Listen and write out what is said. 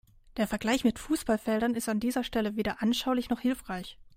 Der Vergleich mit Fußballfeldern ist an dieser Stelle weder anschaulich noch hilfreich.